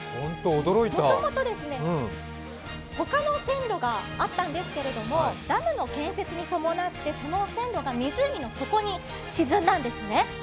もともと、他の線路があったんですけどダムの建設に伴ってその線路が湖の底に沈んだんですね。